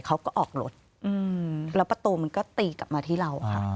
เขาก็ออกรถแล้วประตูมันก็ตีกลับมาที่เราค่ะ